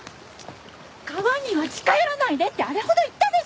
川には近寄らないでってあれほど言ったでしょ！